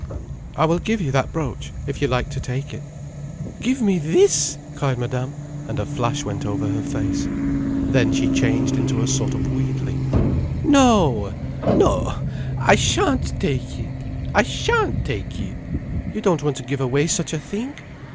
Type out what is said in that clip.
"I will give you that brooch if you like to take it—" "Give me this—!" cried Madame, and a flash went over her face. Then she changed into a sort of wheedling. "No—no. I shan't take it! I shan't take it. You don't want to give away such a thing."